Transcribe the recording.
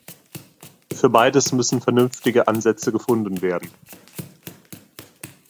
Für beides müssen vernünftige Ansätze gefunden werden.